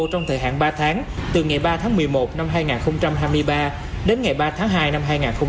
trong thời hạn ba tháng từ ngày ba tháng một mươi một năm hai nghìn hai mươi ba đến ngày ba tháng hai năm hai nghìn hai mươi bốn